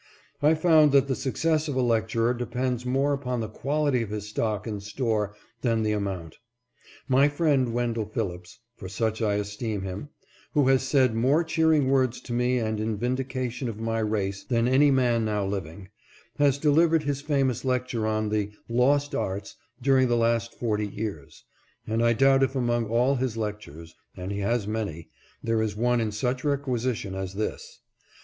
I found that the success of a lecturer depends more upon the quality of his stock in store than the amount. My friend Wendell Phillips (for such I esteem him), who has said more cheering words to me and in vindication of my race than any man now living, has delivered his famous lecture on the "Lost Arts " during the last forty years ; and I doubt if among all his lectures, and he has many, there is one in such requisition as this.